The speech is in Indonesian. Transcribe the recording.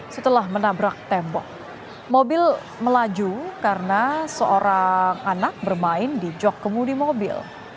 setelah menabrak tembok mobil melaju karena seorang anak bermain di jok kemudi mobil